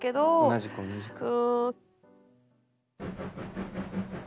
同じく同じく。